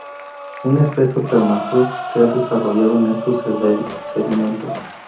Un espeso permafrost se ha desarrollado en estos sedimentos.